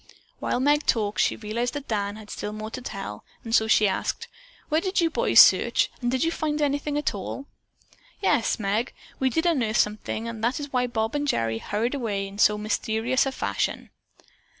While Meg talked, she realized that Dan had still more to tell, and so she asked: "Where did you boys search, and did you find anything at all?" "Yes, Meg, we did unearth something and that is why Bob and Gerry hurried away in so mysterious a fashion."